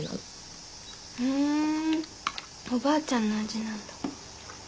ふーんおばあちゃんの味なんだ。